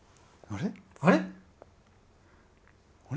あれ？